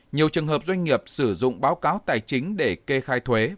nhiều trường hợp doanh nghiệp sử dụng báo cáo tài chính để kê khai thuế